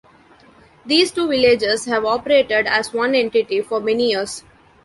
These two villages have operated as one entity for many years.